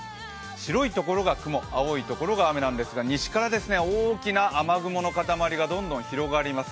白いところが雲、青いところが雨なんですが西から大きな雨雲の塊がどんどん広がります。